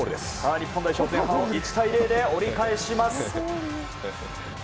日本代表前半を１対０で折り返します。